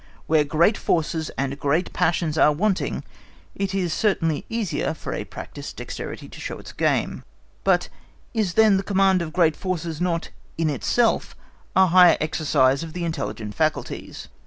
Where great forces and great passions are wanting, it is certainly easier for a practised dexterity to show its game; but is then the command of great forces, not in itself a higher exercise of the intelligent faculties?